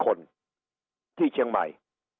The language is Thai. ก็พิมพีที่เชียงใหม่